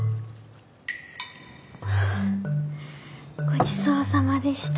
ごちそうさまでした。